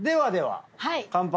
乾杯。